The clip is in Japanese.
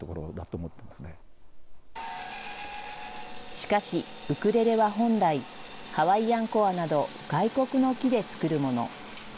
しかし、ウクレレは本来、ハワイアンコアなど、外国の木で作るもの。